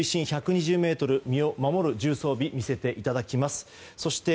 水深１２０ｍ、身を守る重装備を見せていただきます。